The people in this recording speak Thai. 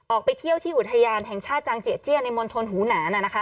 ออกไปเที่ยวที่อุทยานแห่งชาติจังเจียเจี้ยในมณฑลหูหนาน